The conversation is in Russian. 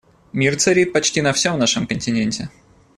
Мир царит почти на всем нашем континенте.